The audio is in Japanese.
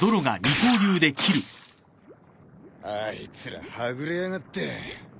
あいつらはぐれやがって。